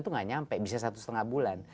satu bulan itu tidak sampai bisa satu setengah bulan